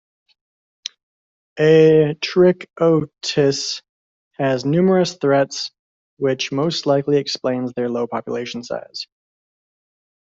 "A. trichotis" has numerous threats, which most likely explains their low population size.